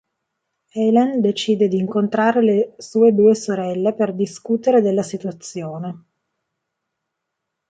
Helen decide di incontrare le sue due sorelle per discutere della situazione.